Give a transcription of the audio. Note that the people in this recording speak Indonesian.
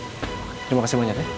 terima kasih banyak